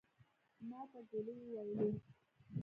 ماته ګولي وويلې.